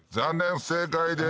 不正解です。